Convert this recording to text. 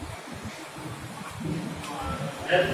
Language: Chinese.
首府斯法克斯。